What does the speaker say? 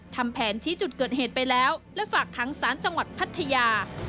ทำแผนชี้จุดเกิดเหตุไปแล้วและฝากขังสารจังหวัดพัทยา